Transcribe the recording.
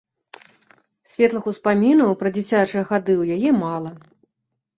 Светлых успамінаў пра дзіцячыя гады ў яе мала.